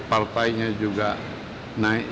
partainya juga naik